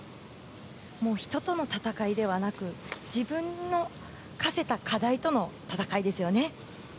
人との戦いではなく自分の課した課題との戦いですよね。